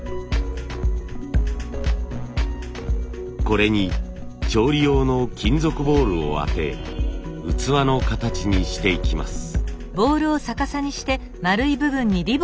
これに調理用の金属ボウルを当て器の形にしていきます。